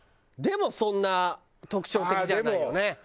でもそんな特徴的じゃないよね。